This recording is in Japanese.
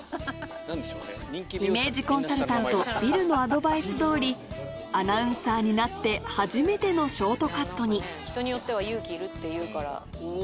イメージコンサルタントビルのアドバイスどおりアナウンサーになって初めてのショートカットに人によっては勇気いるっていうから。